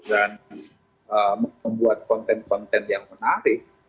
dan membuat konten konten yang menarik